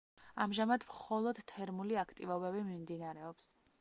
ამჟამად მხოლოდ თერმული აქტივობები მიმდინარეობს.